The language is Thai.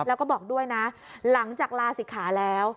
แล้วก็บอกด้วยนะหลังจากลาศิกขาแล้ว